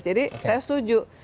jadi saya setuju